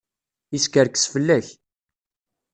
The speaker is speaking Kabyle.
Yeskerkes fell-ak.